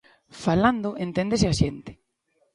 Falando enténdese a xente.